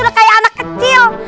udah kayak anak kecil